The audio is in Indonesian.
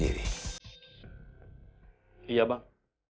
ya ada tiga orang